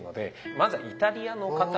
まずはイタリアの方です。